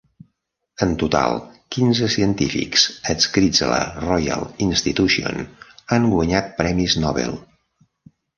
En total, quinze científics adscrits a la Royal Institution han guanyat premis Nobel.